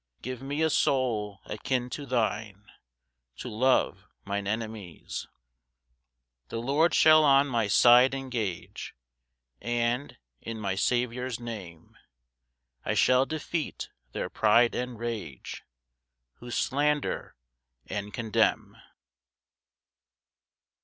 Give me a soul a kin to thine To love mine enemies. 6 The Lord shall on my side engage, And, in my Saviour's name, I shall defeat their pride and rage Who slander and condemn.